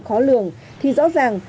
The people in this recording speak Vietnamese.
khó lường thì rõ ràng